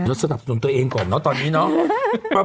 สนับสนุนตัวเองก่อนเนอะตอนนี้เนาะ